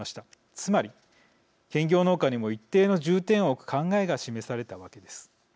つまり、兼業農家にも一定の重点を置く考えが示されたわけです。